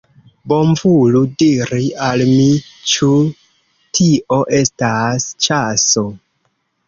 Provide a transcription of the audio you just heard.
Bonvolu diri al mi, ĉu tio estas ĉaso!